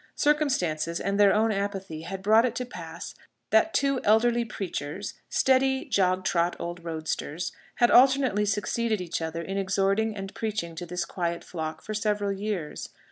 Circumstances, and their own apathy, had brought it to pass that two elderly preachers steady, jog trot old roadsters had alternately succeeded each other in exhorting and preaching to this quiet flock for several years.